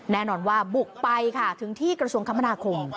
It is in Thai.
แน่นอนว่าบุกไปค่ะถึงที่กระทรวงคมนาคม